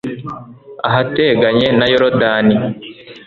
ahateganye na Yorodani